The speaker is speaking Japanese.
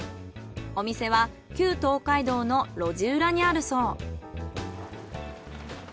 お店は旧東海道の路地裏にあるそう。